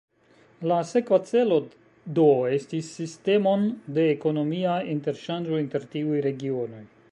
La sekva celo do estis sistemon de ekonomia interŝanĝo inter tiuj regionoj.